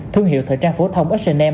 thương hiệu thời trang phố thông h m